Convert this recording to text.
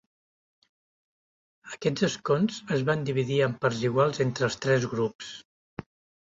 Aquests escons es van dividir en parts iguals entre els tres grups.